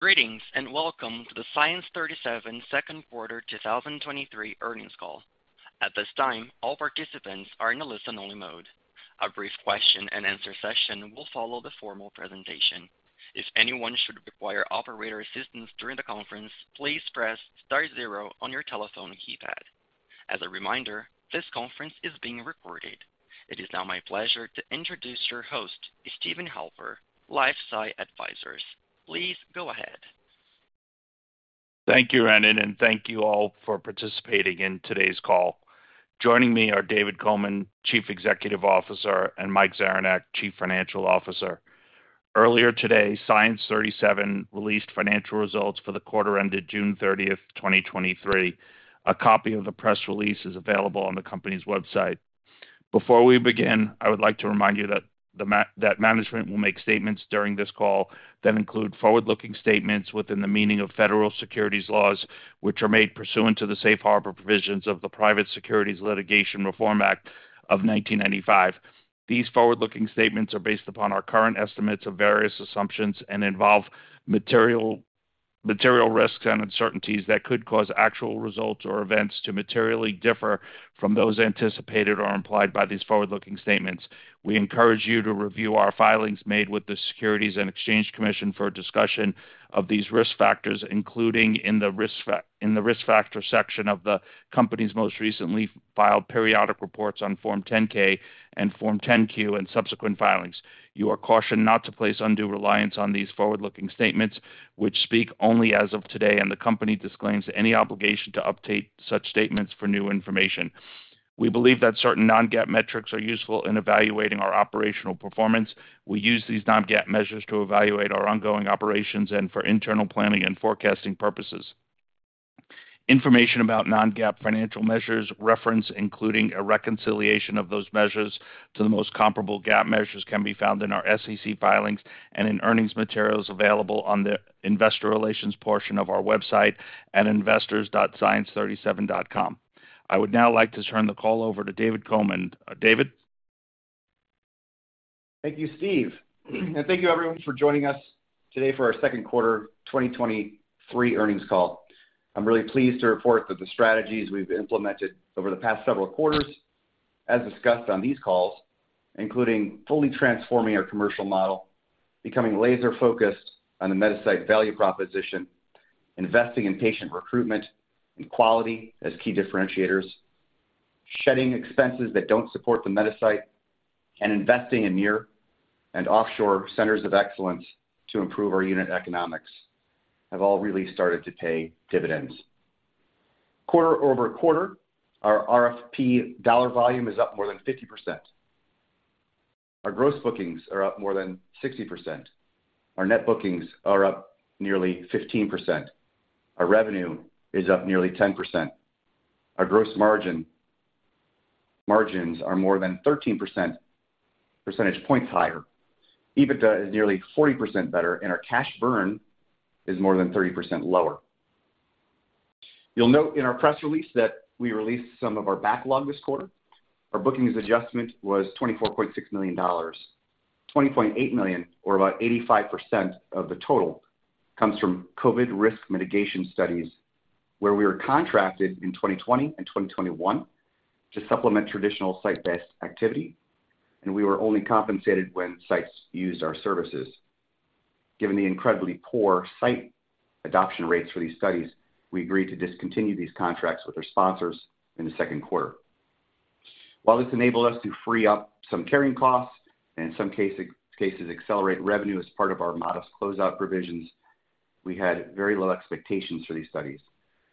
Greetings, and welcome to the Science 37 2Q 2023 earnings call. At this time, all participants are in a listen-only mode. A brief question and answer session will follow the formal presentation. If anyone should require operator assistance during the conference, please press star 0 on your telephone keypad. As a reminder, this conference is being recorded. It is now my pleasure to introduce your host, Steven Halper, LifeSci Advisors. Please go ahead. Thank you, Ronan, and thank you all for participating in today's call. Joining me are David Coman, Chief Executive Officer, and Mike Zaranek, Chief Financial Officer. Earlier today, Science 37 released financial results for the quarter ended June 30th, 2023. A copy of the press release is available on the company's website. Before we begin, I would like to remind you that management will make statements during this call that include forward-looking statements within the meaning of federal securities laws, which are made pursuant to the safe harbor provisions of the Private Securities Litigation Reform Act of 1995. These forward-looking statements are based upon our current estimates of various assumptions and involve material, material risks and uncertainties that could cause actual results or events to materially differ from those anticipated or implied by these forward-looking statements. We encourage you to review our filings made with the Securities and Exchange Commission for a discussion of these risk factors, including in the risk factor section of the company's most recently filed periodic reports on Form 10-K and Form 10-Q and subsequent filings. You are cautioned not to place undue reliance on these forward-looking statements, which speak only as of today, and the company disclaims any obligation to update such statements for new information. We believe that certain non-GAAP metrics are useful in evaluating our operational performance. We use these non-GAAP measures to evaluate our ongoing operations and for internal planning and forecasting purposes. Information about non-GAAP financial measures, reference, including a reconciliation of those measures to the most comparable GAAP measures, can be found in our SEC filings and in earnings materials available on the investor relations portion of our website at investors.science37.com. I would now like to turn the call over to David Coman. David? Thank you, Steve, and thank you, everyone, for joining us today for our second quarter 2023 earnings call. I'm really pleased to report that the strategies we've implemented over the past several quarters, as discussed on these calls, including fully transforming our commercial model, becoming laser-focused on the Metasite value proposition, investing in patient recruitment and quality as key differentiators, shedding expenses that don't support the Metasite, and investing in near and offshore centers of excellence to improve our unit economics, have all really started to pay dividends. Quarter-over-quarter, our RFP dollar volume is up more than 50%. Our gross bookings are up more than 60%. Our net bookings are up nearly 15%. Our revenue is up nearly 10%. Our margins are more than 13% percentage points higher. EBITDA is nearly 40% better, and our cash burn is more than 30% lower. You'll note in our press release that we released some of our backlog this quarter. Our bookings adjustment was $24.6 million. $20.8 million, or about 85% of the total, comes from COVID risk mitigation studies, where we were contracted in 2020 and 2021 to supplement traditional site-based activity, and we were only compensated when sites used our services. Given the incredibly poor site adoption rates for these studies, we agreed to discontinue these contracts with our sponsors in the second quarter. While this enabled us to free up some carrying costs, and in some cases, accelerate revenue as part of our modest closeout provisions, we had very low expectations for these studies.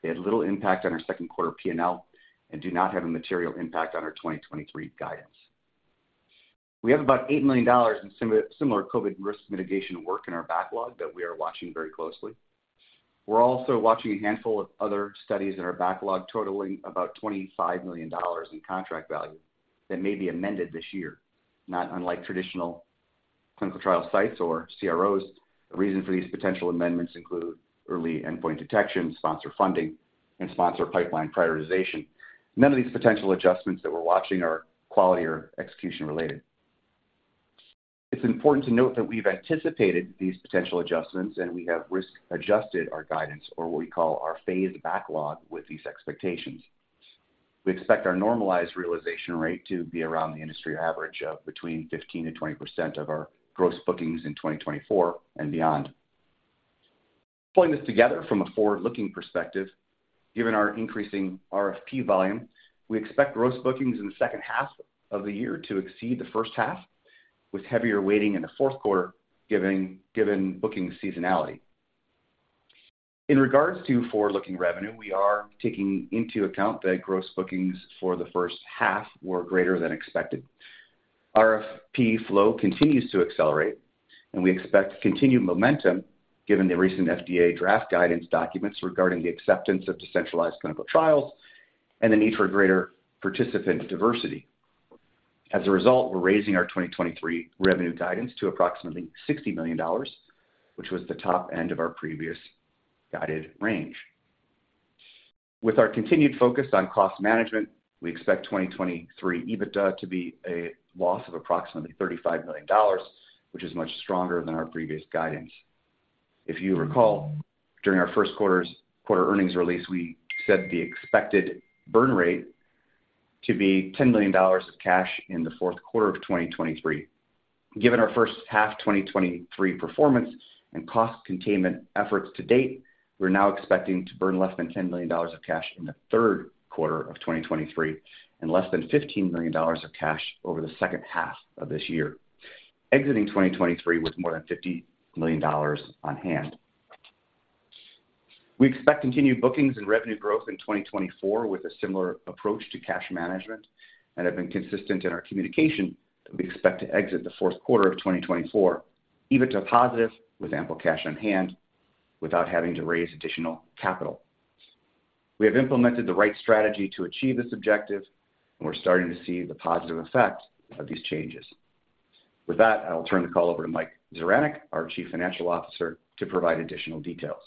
They had little impact on our second quarter P&L and do not have a material impact on our 2023 guidance. We have about $8 million in similar COVID risk mitigation work in our backlog that we are watching very closely. We're also watching a handful of other studies in our backlog, totaling about $25 million in contract value that may be amended this year, not unlike traditional clinical trial sites or CROs. The reason for these potential amendments include early endpoint detection, sponsor funding, and sponsor pipeline prioritization. None of these potential adjustments that we're watching are quality or execution-related. It's important to note that we've anticipated these potential adjustments, and we have risk-adjusted our guidance or what we call our phased backlog with these expectations. We expect our normalized realization rate to be around the industry average of between 15%-20% of our gross bookings in 2024 and beyond. Pulling this together from a forward-looking perspective, given our increasing RFP volume, we expect gross bookings in the second half of the year to exceed the first half, with heavier weighting in the fourth quarter, given booking seasonality. In regards to forward-looking revenue, we are taking into account that gross bookings for the first half were greater than expected. RFP flow continues to accelerate. We expect continued momentum given the recent FDA draft guidance documents regarding the acceptance of decentralized clinical trials and the need for greater participant diversity. Result, we're raising our 2023 revenue guidance to approximately $60 million, which was the top end of our previous guided range. With our continued focus on cost management, we expect 2023 EBITDA to be a loss of approximately $35 million, which is much stronger than our previous guidance. If you recall, during our first quarter earnings release, we said the expected burn rate to be $10 million of cash in the fourth quarter of 2023. Given our first half 2023 performance and cost containment efforts to date, we're now expecting to burn less than $10 million of cash in the third quarter of 2023 and less than $15 million of cash over the second half of this year, exiting 2023 with more than $50 million on hand. We expect continued bookings and revenue growth in 2024 with a similar approach to cash management and have been consistent in our communication that we expect to exit the fourth quarter of 2024 EBITDA positive with ample cash on hand, without having to raise additional capital. We have implemented the right strategy to achieve this objective, and we're starting to see the positive effect of these changes. With that, I'll turn the call over to Mike Zaranek, our Chief Financial Officer, to provide additional details.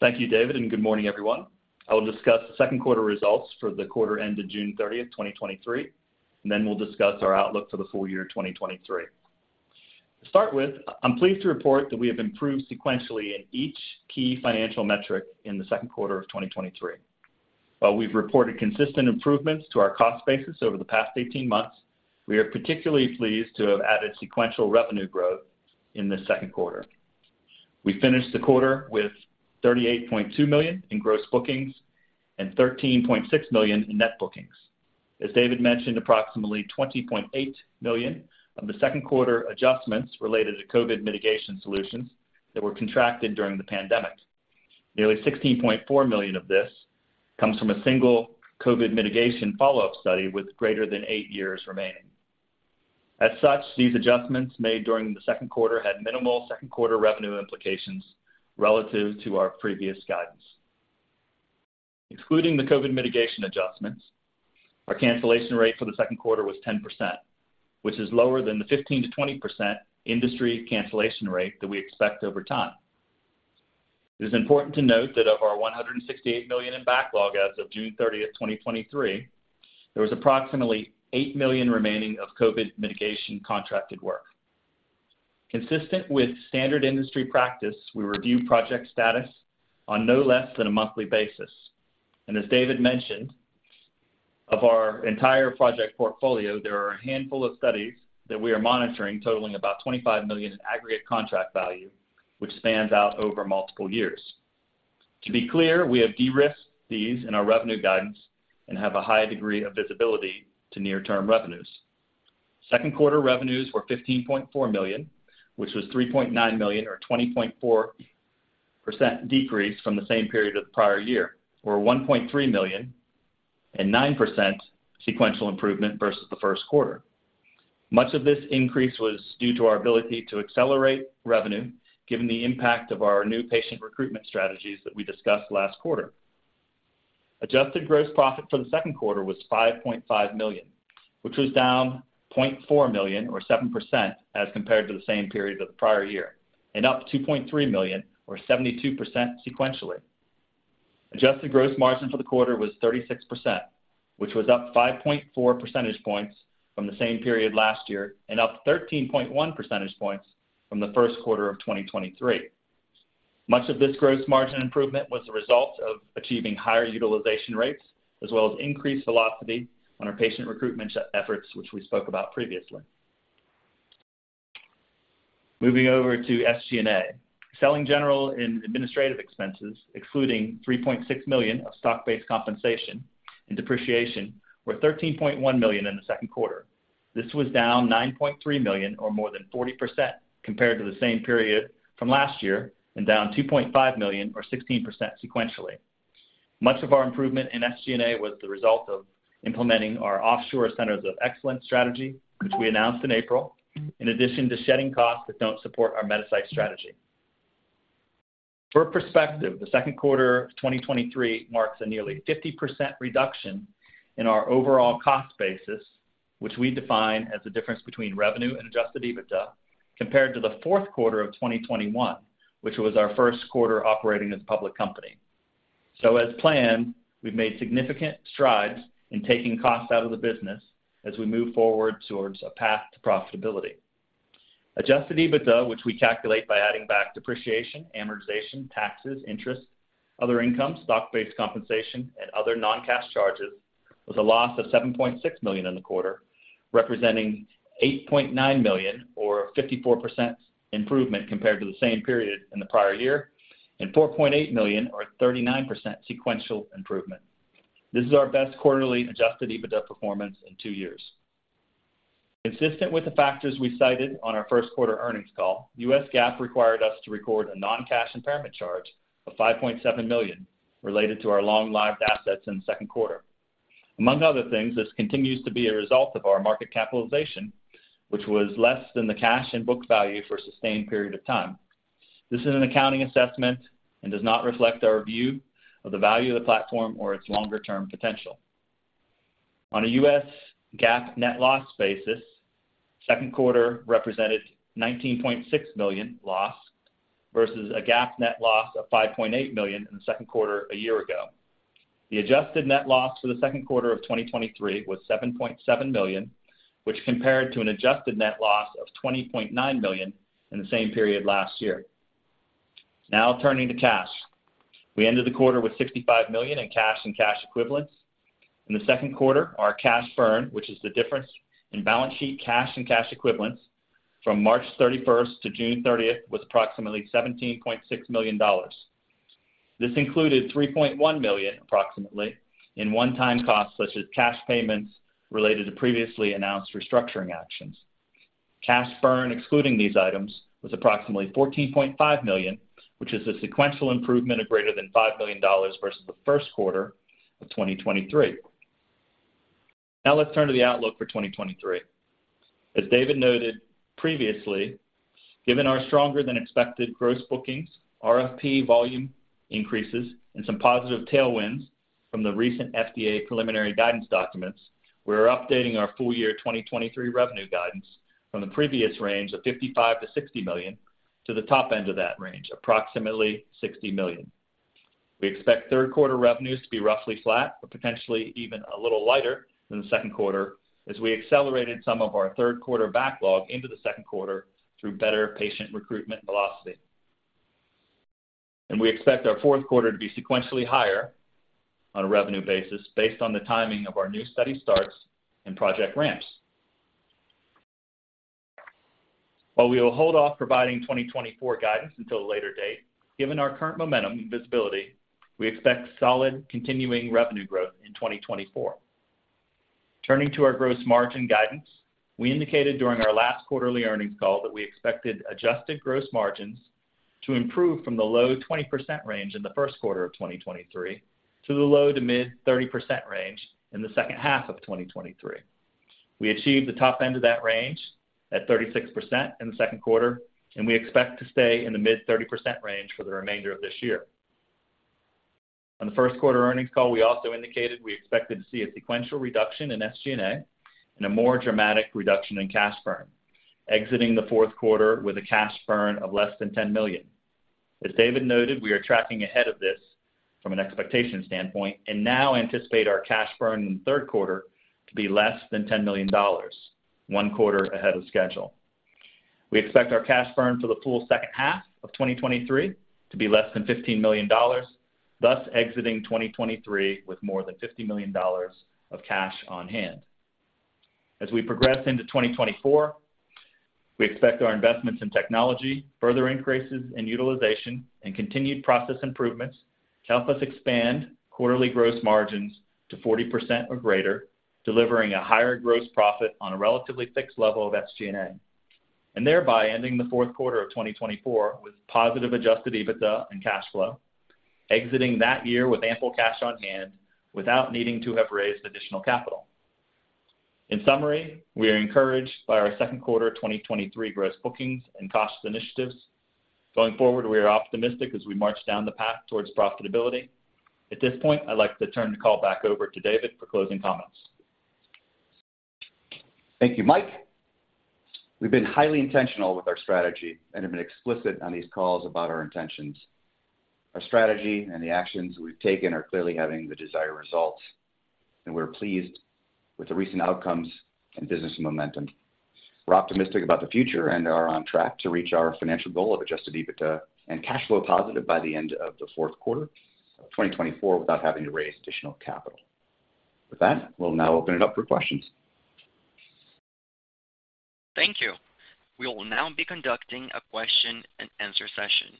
Thank you, David. Good morning, everyone. I will discuss the 2nd quarter results for the quarter ended June 30th, 2023, and then we'll discuss our outlook for the full year 2023. To start with, I'm pleased to report that we have improved sequentially in each key financial metric in the 2nd quarter of 2023. While we've reported consistent improvements to our cost basis over the past 18 months, we are particularly pleased to have added sequential revenue growth in this 2nd quarter. We finished the quarter with $38.2 million in gross bookings and $13.6 million in net bookings. As David mentioned, approximately $20.8 million of the 2nd quarter adjustments related to COVID mitigation solutions that were contracted during the pandemic. Nearly $16.4 million of this comes from a single COVID mitigation follow-up study with greater than 8 years remaining. Such, these adjustments made during the second quarter had minimal second quarter revenue implications relative to our previous guidance. Excluding the COVID mitigation adjustments, our cancellation rate for the second quarter was 10%, which is lower than the 15%-20% industry cancellation rate that we expect over time. It is important to note that of our $168 million in backlog as of June 30th, 2023, there was approximately $8 million remaining of COVID mitigation contracted work. Consistent with standard industry practice, we review project status on no less than a monthly basis. As David mentioned, of our entire project portfolio, there are a handful of studies that we are monitoring, totaling about $25 million in aggregate contract value, which spans out over multiple years. To be clear, we have de-risked these in our revenue guidance and have a high degree of visibility to near-term revenues. Second quarter revenues were $15.4 million, which was $3.9 million, or a 20.4% decrease from the same period of the prior year, or $1.3 million and 9% sequential improvement versus the first quarter. Much of this increase was due to our ability to accelerate revenue, given the impact of our new patient recruitment strategies that we discussed last quarter. Adjusted gross profit for the second quarter was $5.5 million, which was down $0.4 million, or 7%, as compared to the same period of the prior year, and up $2.3 million, or 72% sequentially. Adjusted gross margin for the quarter was 36%, which was up 5.4 percentage points from the same period last year and up 13.1 percentage points from the first quarter of 2023. Much of this gross margin improvement was a result of achieving higher utilization rates, as well as increased velocity on our patient recruitment efforts, which we spoke about previously. Moving over to SG&A. Selling, general, and administrative expenses, excluding $3.6 million of stock-based compensation and depreciation, were $13.1 million in the second quarter. This was down $9.3 million, or more than 40% compared to the same period from last year, and down $2.5 million, or 16% sequentially. Much of our improvement in SG&A was the result of implementing our offshore centers of excellence strategy, which we announced in April, in addition to shedding costs that don't support our Metasite strategy. For perspective, the second quarter of 2023 marks a nearly 50% reduction in our overall cost basis, which we define as the difference between revenue and adjusted EBITDA, compared to the fourth quarter of 2021, which was our first quarter operating as a public company. As planned, we've made significant strides in taking costs out of the business as we move forward towards a path to profitability. Adjusted EBITDA, which we calculate by adding back depreciation, amortization, taxes, interest, other income, stock-based compensation, and other non-cash charges, was a loss of $7.6 million in the quarter, representing $8.9 million, or a 54% improvement compared to the same period in the prior year, and $4.8 million, or a 39% sequential improvement. This is our best quarterly adjusted EBITDA performance in two years. Consistent with the factors we cited on our first quarter earnings call, US GAAP required us to record a non-cash impairment charge of $5.7 million related to our long-lived assets in the second quarter. Among other things, this continues to be a result of our market capitalization, which was less than the cash and book value for a sustained period of time. This is an accounting assessment and does not reflect our view of the value of the platform or its longer-term potential. On a US GAAP net loss basis, second quarter represented $19.6 million loss versus a GAAP net loss of $5.8 million in the second quarter a year ago. The adjusted net loss for the second quarter of 2023 was $7.7 million, which compared to an adjusted net loss of $20.9 million in the same period last year. Now turning to cash. We ended the quarter with $65 million in cash and cash equivalents. In the second quarter, our cash burn, which is the difference in balance sheet cash and cash equivalents from March 31st to June 30th, was approximately $17.6 million. This included $3.1 million, approximately, in one-time costs, such as cash payments related to previously announced restructuring actions. Cash burn, excluding these items, was approximately $14.5 million, which is a sequential improvement of greater than $5 million versus the first quarter of 2023. Now let's turn to the outlook for 2023. As David noted previously, given our stronger than expected gross bookings, RFP volume increases, and some positive tailwinds from the recent FDA preliminary guidance documents, we are updating our full year 2023 revenue guidance from the previous range of $55 million-$60 million, to the top end of that range, approximately $60 million. We expect third quarter revenues to be roughly flat or potentially even a little lighter than the second quarter, as we accelerated some of our third quarter backlog into the second quarter through better patient recruitment velocity. We expect our fourth quarter to be sequentially higher on a revenue basis, based on the timing of our new study starts and project ramps. We will hold off providing 2024 guidance until a later date, given our current momentum and visibility, we expect solid continuing revenue growth in 2024. Turning to our gross margin guidance, we indicated during our last quarterly earnings call that we expected adjusted gross margins to improve from the low 20% range in the first quarter of 2023 to the low to mid-30% range in the second half of 2023. We achieved the top end of that range at 36% in the second quarter, we expect to stay in the mid-30% range for the remainder of this year. On the first quarter earnings call, we also indicated we expected to see a sequential reduction in SG&A and a more dramatic reduction in cash burn, exiting the fourth quarter with a cash burn of less than $10 million. As David noted, we are tracking ahead of this from an expectation standpoint, and now anticipate our cash burn in the third quarter to be less than $10 million, one quarter ahead of schedule. We expect our cash burn for the full second half of 2023 to be less than $15 million, thus exiting 2023 with more than $50 million of cash on hand. As we progress into 2024, we expect our investments in technology, further increases in utilization, and continued process improvements to help us expand quarterly gross margins to 40% or greater, delivering a higher gross profit on a relatively fixed level of SG&A. Thereby, ending the fourth quarter of 2024 with positive adjusted EBITDA and cash flow, exiting that year with ample cash on hand without needing to have raised additional capital. In summary, we are encouraged by our second quarter of 2023 gross bookings and cost initiatives. Going forward, we are optimistic as we march down the path towards profitability. At this point, I'd like to turn the call back over to David for closing comments. Thank you, Mike. We've been highly intentional with our strategy and have been explicit on these calls about our intentions. Our strategy and the actions we've taken are clearly having the desired results, and we're pleased with the recent outcomes and business momentum. We're optimistic about the future and are on track to reach our financial goal of adjusted EBITDA and cash flow positive by the end of the fourth quarter of 2024, without having to raise additional capital. With that, we'll now open it up for questions. Thank you. We will now be conducting a question and answer session.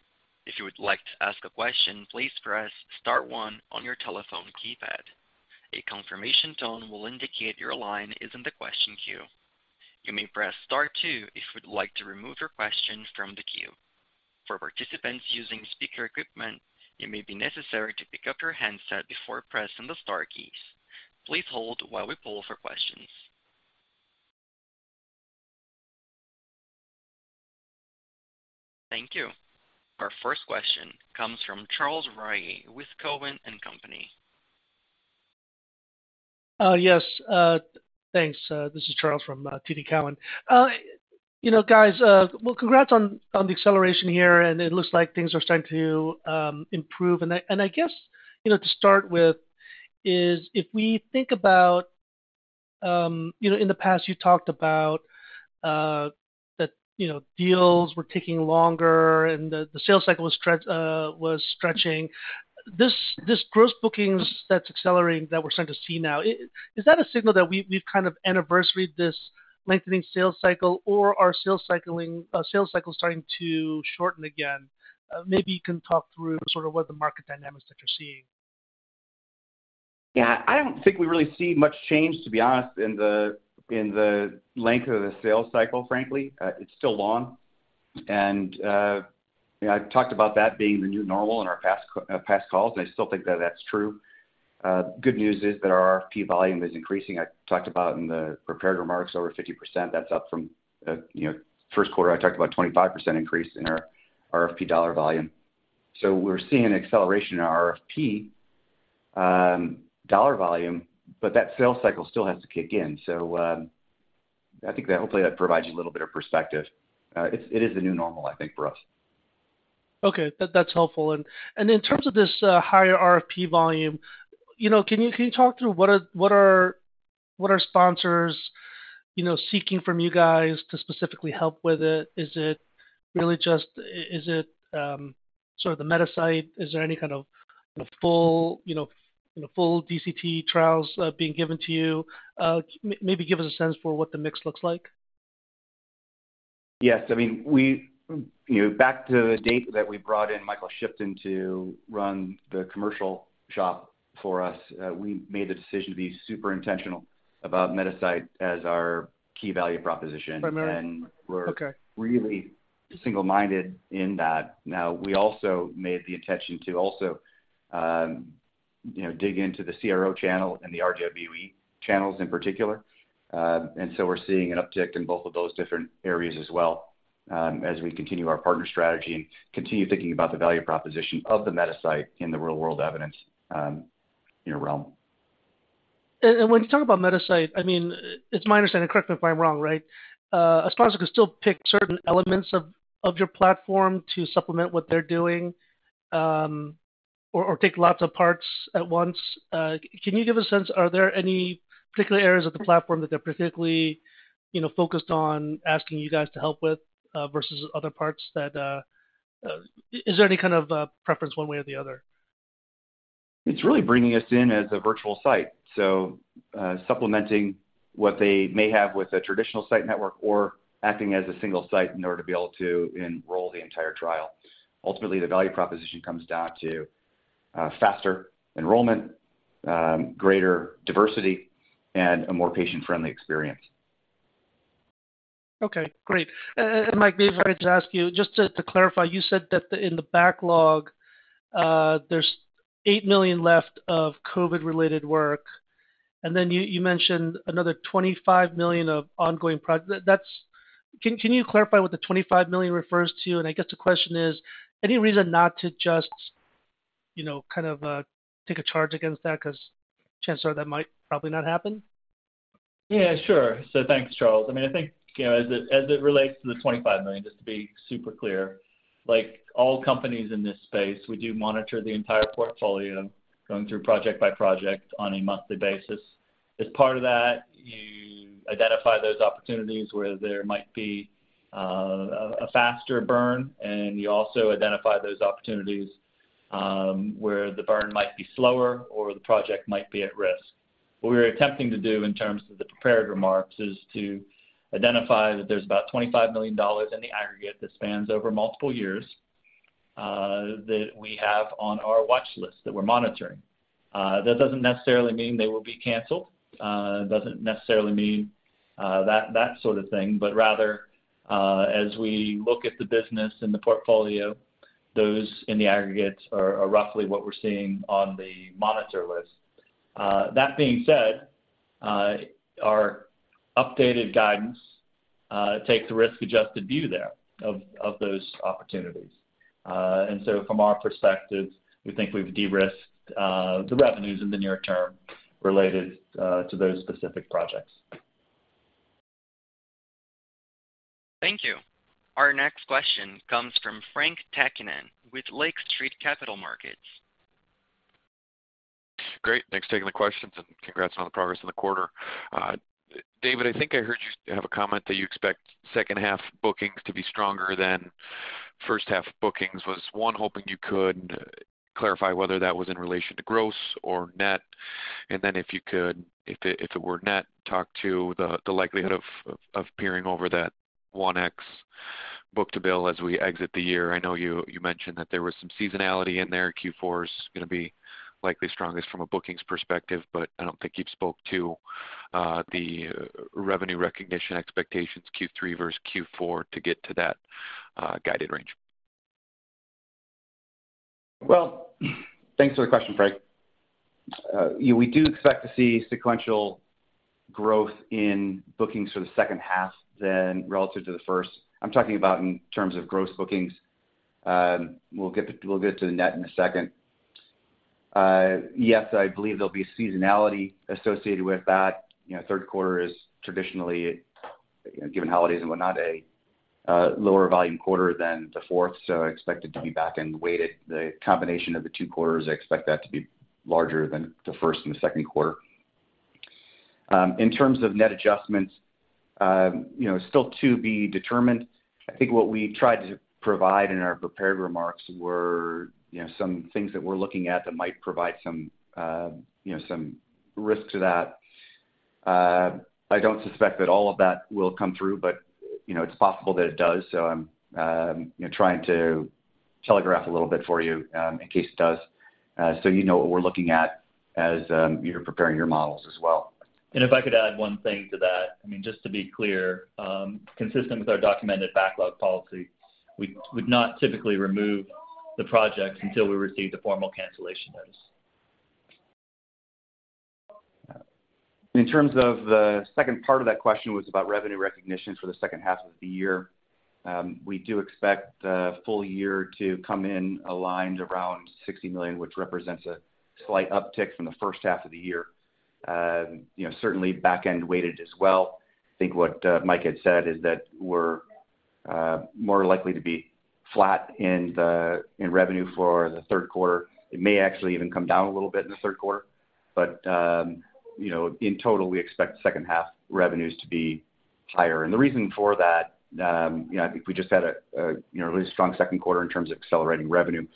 If you would like to ask a question, please press star one on your telephone keypad. A confirmation tone will indicate your line is in the question queue. You may press star two if you would like to remove your question from the queue. For participants using speaker equipment, it may be necessary to pick up your handset before pressing the star keys. Please hold while we poll for questions. Thank you. Our first question comes from Charles Rhyee with Cowen and Company. Yes, thanks. This is Charles from TD Cowen. You know, guys, well, congrats on the acceleration here, and it looks like things are starting to improve. I guess, you know, to start with is, if we think about, you know, in the past, you talked about that, you know, deals were taking longer and the sales cycle was stretching. This gross bookings that's accelerating, that we're starting to see now, is that a signal that we've kind of anniversaried this lengthening sales cycle, or are sales cycling, sales cycles starting to shorten again? Maybe you can talk through sort of what the market dynamics that you're seeing. Yeah, I don't think we really see much change, to be honest, in the, in the length of the sales cycle, frankly. It's still long. You know, I've talked about that being the new normal in our past calls, and I still think that that's true. Good news is that our RFP volume is increasing. I talked about in the prepared remarks, over 50%. That's up from, you know, first quarter, I talked about 25% increase in our RFP dollar volume. We're seeing an acceleration in RFP dollar volume, but that sales cycle still has to kick in. I think that hopefully that provides you a little bit of perspective. It's, it is the new normal, I think, for us. Okay, that, that's helpful. And in terms of this, higher RFP volume, you know, can you, can you talk through what are, what are, what are sponsors, you know, seeking from you guys to specifically help with it? Is it really just, is it, sort of the Metasite? Is there any kind of full, you know, full DCT trials, being given to you? Maybe give us a sense for what the mix looks like. Yes, I mean, we, you know, back to the date that we brought in Michael Shipton to run the commercial shop for us, we made the decision to be super intentional about Metasite as our key value proposition. Primary. And we're- Okay. - really single-minded in that. We also made the intention to also, you know, dig into the CRO channel and the RWE channels in particular. So we're seeing an uptick in both of those different areas as well, as we continue our partner strategy and continue thinking about the value proposition of the Metasite in the real-world evidence, you know, realm. When you talk about Metasite, I mean, it's my understanding, correct me if I'm wrong, right? A sponsor can still pick certain elements of, of your platform to supplement what they're doing, or, or take lots of parts at once. Can you give a sense, are there any particular areas of the platform that they're particularly, you know, focused on asking you guys to help with, versus other parts? Is there any kind of preference one way or the other? It's really bringing us in as a virtual site, so, supplementing what they may have with a traditional site network or acting as a single site in order to be able to enroll the entire trial. Ultimately, the value proposition comes down to, faster enrollment, greater diversity, and a more patient-friendly experience. Okay, great. Mike, if I could just ask you, just to, to clarify, you said that the, in the backlog, there's $8 million left of COVID-related work, and then you mentioned another $25 million of ongoing. That's... Can you clarify what the $25 million refers to? I guess the question is, any reason not to just, you know, kind of, take a charge against that, 'cause chances are that might probably not happen? Yeah, sure. Thanks, Charles. I mean, I think, you know, as it, as it relates to the $25 million, just to be super clear, like all companies in this space, we do monitor the entire portfolio, going through project by project on a monthly basis. As part of that, you identify those opportunities where there might be a faster burn, and you also identify those opportunities where the burn might be slower or the project might be at risk. What we're attempting to do in terms of the prepared remarks is to identify that there's about $25 million in the aggregate that spans over multiple years that we have on our watch list that we're monitoring. That doesn't necessarily mean they will be canceled, it doesn't necessarily mean that, that sort of thing, but rather, as we look at the business and the portfolio, those in the aggregate are, are roughly what we're seeing on the monitor list. That being said, our updated guidance takes a risk-adjusted view there of, of those opportunities. So from our perspective, we think we've de-risked the revenues in the near term related to those specific projects. Thank you. Our next question comes from Frank Takkinen with Lake Street Capital Markets. Great. Thanks for taking the questions, and congrats on the progress in the quarter. David, I think I heard you have a comment that you expect second half bookings to be stronger than first half bookings. Was, one, hoping you could clarify whether that was in relation to gross or net? Then if you could, if it, if it were net, talk to the, the likelihood of, of, of peering over that 1x book-to-bill as we exit the year. I know you, you mentioned that there was some seasonality in there. Q4 is gonna be likely strongest from a bookings perspective, but I don't think you've spoke to the revenue recognition expectations, Q3 versus Q4, to get to that guided range. Well, thanks for the question, Frank. Yeah, we do expect to see sequential growth in bookings for the 2nd half than relative to the 1st. I'm talking about in terms of gross bookings. We'll get to, we'll get to the net in a 2nd. Yes, I believe there'll be seasonality associated with that. You know, 3rd quarter is traditionally, you know, given holidays and whatnot, a lower volume quarter than the 4th, so I expect it to be back and weighted. The combination of the 2 quarters, I expect that to be larger than the 1st and 2nd quarter. In terms of net adjustments, you know, still to be determined. I think what we tried to provide in our prepared remarks were, you know, some things that we're looking at that might provide some, you know, some risk to that. I don't suspect that all of that will come through, but, you know, it's possible that it does, so I'm, you know, trying to telegraph a little bit for you, in case it does, so you know what we're looking at as, you're preparing your models as well. If I could add one thing to that, I mean, just to be clear, consistent with our documented backlog policy, we would not typically remove the projects until we receive the formal cancellation notice. In terms of the second part of that question was about revenue recognition for the second half of the year. We do expect the full year to come in aligned around $60 million, which represents a slight uptick from the first half of the year. You know, certainly back-end weighted as well. I think what Mike had said is that we're more likely to be flat in the, in revenue for the third quarter. It may actually even come down a little bit in the third quarter, but, you know, in total, we expect second half revenues to be higher. The reason for that, you know, I think we just had a, you know, really strong second quarter in terms of accelerating revenue.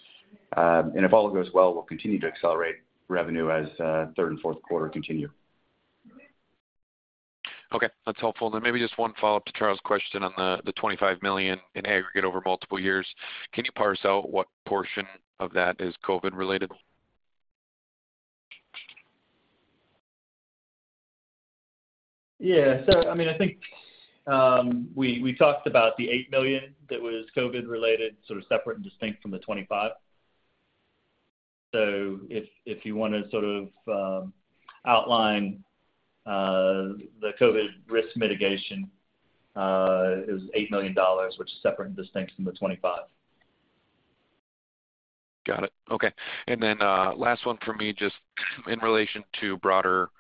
If all goes well, we'll continue to accelerate revenue as third and fourth quarter continue. Okay, that's helpful. Maybe just one follow-up to Charles' question on the $25 million in aggregate over multiple years. Can you parse out what portion of that is COVID-related? Yeah. I mean, I think, we, we talked about the $8 million that was COVID-related, sort of separate and distinct from the $25. If, if you want to sort of, outline, the COVID risk mitigation, it was $8 million, which is separate and distinct from the $25. Got it. Okay. Last one for me, just in relation to broader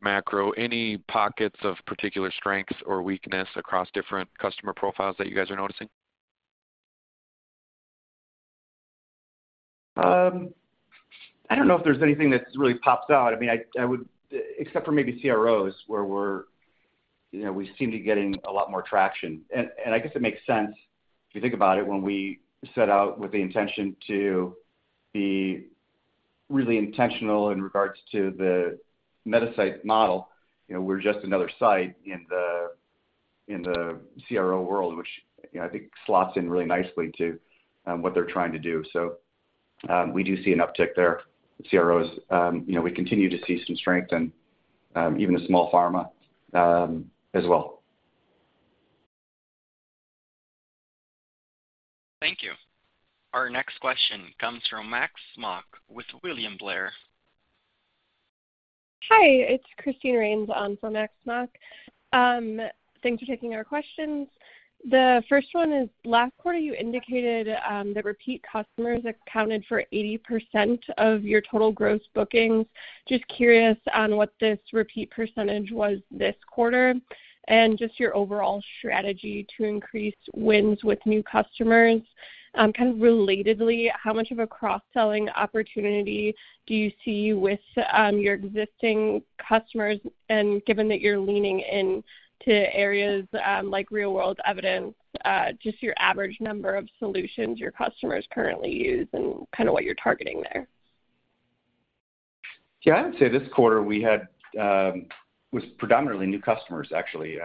macro, any pockets of particular strengths or weakness across different customer profiles that you guys are noticing? I don't know if there's anything that really pops out. I mean, except for maybe CROs, where we're, you know, we seem to be getting a lot more traction. I guess it makes sense, if you think about it, when we set out with the intention to be really intentional in regards to the Metasite model, you know, we're just another site in the CRO world, which, you know, I think slots in really nicely to what they're trying to do. We do see an uptick there. CROs, you know, we continue to see some strength and even a small pharma as well. Thank you. Our next question comes from Max Smock with William Blair. Hi, it's Christine Rains on for Max Smock. Thanks for taking our questions. The first one is, last quarter, you indicated that repeat customers accounted for 80% of your total gross bookings. Just curious on what this repeat percentage was this quarter and just your overall strategy to increase wins with new customers? Kind of relatedly, how much of a cross-selling opportunity do you see with your existing customers? Given that you're leaning into areas like real-world evidence, just your average number of solutions your customers currently use and kind of what you're targeting there? I would say this quarter we had, was predominantly new customers, actually,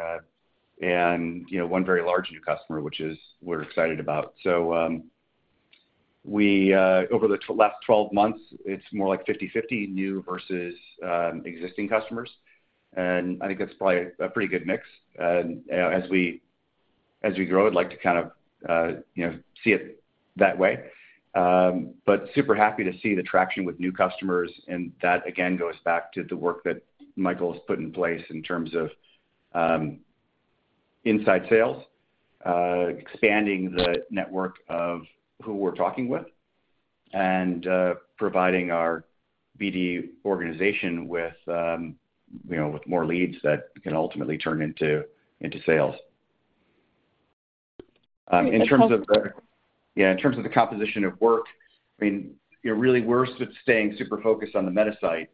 and you know, one very large new customer, which is we're excited about. We, over the last 12 months, it's more like 50/50, new versus, existing customers, and I think that's probably a pretty good mix. As we, as we grow, I'd like to kind of, you know, see it that way. Super happy to see the traction with new customers, and that, again, goes back to the work that Michael has put in place in terms of, inside sales, expanding the network of who we're talking with, and, providing our BD organization with, you know, with more leads that can ultimately turn into, into sales. In terms of the- yeah, in terms of the composition of work, I mean, really, we're staying super focused on the Metasite,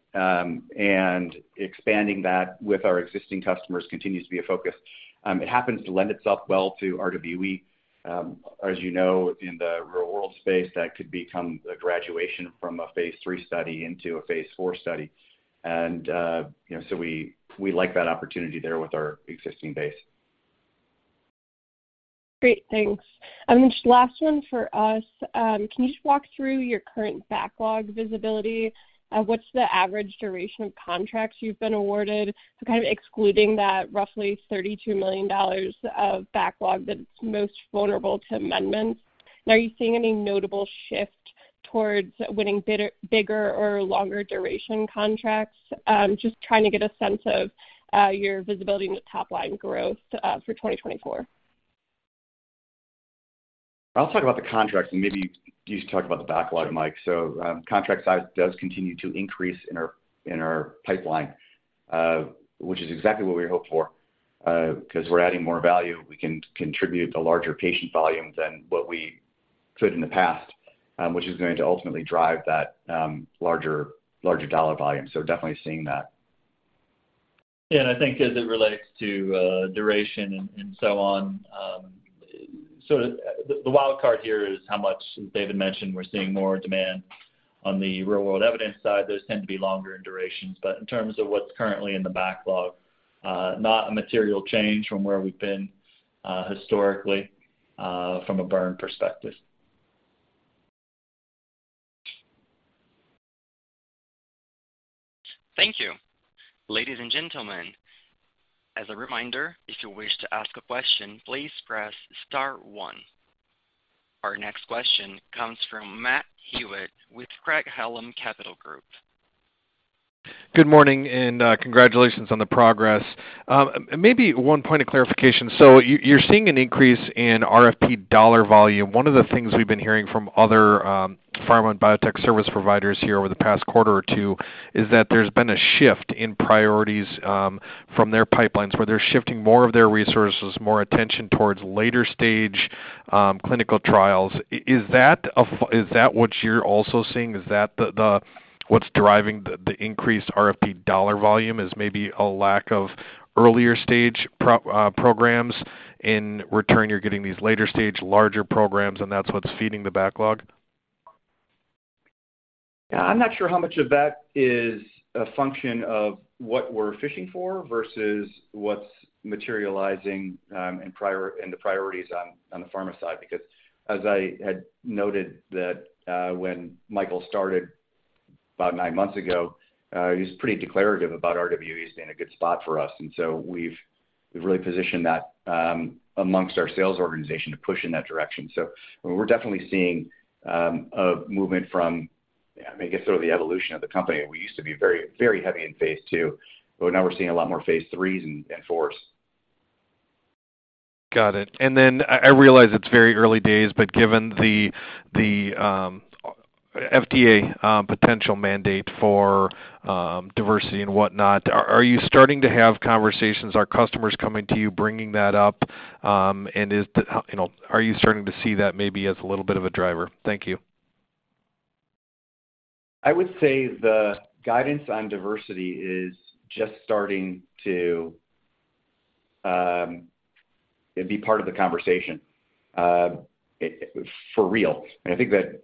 and expanding that with our existing customers continues to be a focus. It happens to lend itself well to RWE. As you know, in the real-world space, that could become a graduation from a Phase III study into a Phase IV study. You know, so we, we like that opportunity there with our existing base. Great, thanks. Then just last one for us. Can you just walk through your current backlog visibility? What's the average duration of contracts you've been awarded, so kind of excluding that roughly $32 million of backlog that's most vulnerable to amendments? Are you seeing any notable shift towards winning bigger or longer duration contracts? Just trying to get a sense of your visibility in the top-line growth for 2024. I'll talk about the contracts, and maybe you talk about the backlog, Mike. Contract size does continue to increase in our, in our pipeline, which is exactly what we hoped for, because we're adding more value. We can contribute a larger patient volume than what we could in the past, which is going to ultimately drive that, larger, larger dollar volume. Definitely seeing that. Yeah, I think as it relates to duration and so on, the wild card here is how much David mentioned we're seeing more demand on the real-world evidence side. Those tend to be longer in duration, but in terms of what's currently in the backlog, not a material change from where we've been historically, from a burn perspective. Thank you. Ladies and gentlemen, As a reminder, if you wish to ask a question, please press star 1. Our next question comes from Matt Hewitt with Craig-Hallum Capital Group. Good morning, and congratulations on the progress. Maybe one point of clarification. You, you're seeing an increase in RFP dollar volume. One of the things we've been hearing from other pharma and biotech service providers here over the past quarter or two, is that there's been a shift in priorities from their pipelines, where they're shifting more of their resources, more attention towards later-stage clinical trials. Is that what you're also seeing? Is that the, the, what's driving the, the increased RFP dollar volume, is maybe a lack of earlier-stage programs? In return, you're getting these later-stage, larger programs, and that's what's feeding the backlog? Yeah, I'm not sure how much of that is a function of what we're fishing for versus what's materializing, and the priorities on, on the pharma side. As I had noted that, when Michael started about nine months ago, he was pretty declarative about RWE being a good spot for us. We've, we've really positioned that amongst our sales organization to push in that direction. We're definitely seeing a movement from, I guess, sort of the evolution of the company. We used to be very, very heavy in phase 2, but now we're seeing a lot more phase 3s and 4s. Got it. I, I realize it's very early days, but given the, the FDA potential mandate for diversity and whatnot, are, are you starting to have conversations? Are customers coming to you bringing that up? Is, you know, are you starting to see that maybe as a little bit of a driver? Thank you. I would say the guidance on diversity is just starting to be part of the conversation for real. I think that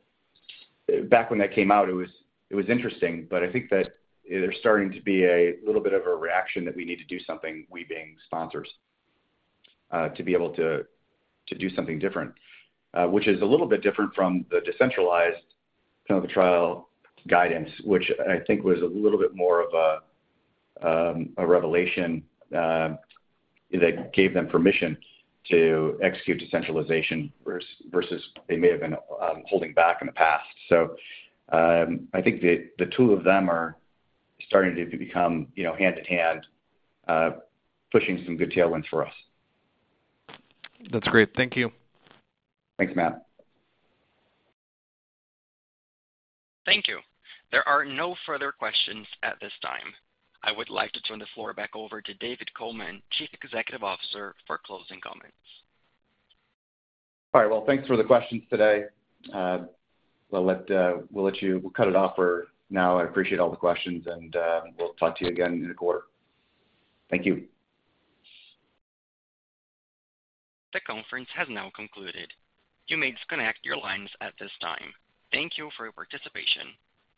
back when that came out, it was, it was interesting, but I think that there's starting to be a little bit of a reaction that we need to do something, we being sponsors, to be able to do something different. Which is a little bit different from the decentralized kind of the trial guidance, which I think was a little bit more of a revelation that gave them permission to execute decentralization versus, versus they may have been holding back in the past. I think the, the two of them are starting to become, you know, hand-in-hand, pushing some good tailwinds for us. That's great. Thank you. Thanks, Matt. Thank you. There are no further questions at this time. I would like to turn the floor back over to David Coman, Chief Executive Officer, for closing comments. All right. Well, thanks for the questions today. We'll let, we'll let you cut it off for now. I appreciate all the questions, and we'll talk to you again in a quarter. Thank you. The conference has now concluded. You may disconnect your lines at this time. Thank you for your participation.